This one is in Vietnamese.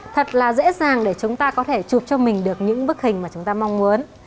thật là dễ dàng để chúng ta có thể chụp cho mình được những bức hình mà chúng ta mong muốn